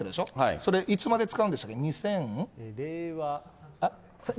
それ、いつまで使うんでしたっけ？